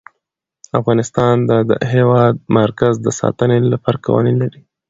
افغانستان د د هېواد مرکز د ساتنې لپاره قوانین لري.